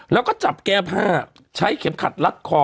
แล้วก็จับแก้ผ้าใช้เข็มขัดรัดคอ